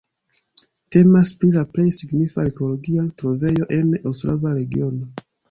Temas pri la plej signifa arkeologia trovejo en Ostrava-regiono.